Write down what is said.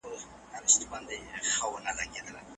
فکري تنوع ټولنه د پرمختګ لور ته بيايي.